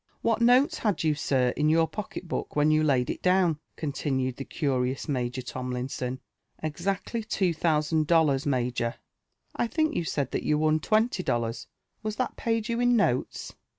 "What notes had you, sir, in your pocket book when you laid it down?" continued the curious Major Tomlinson. " Exactly two thousand dollars, m^or." " I think you said that you won twenty dollars : was that paid you in notes?"